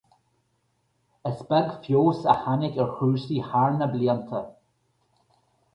Is beag feabhas a tháinig ar chúrsaí thar na blianta.